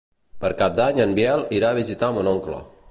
Per Cap d'Any en Biel irà a visitar mon oncle.